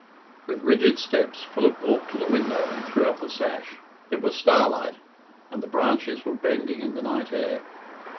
With rigid steps Philip walked to the window and threw up the sash. It was starlight, and the branches were bending in the night air.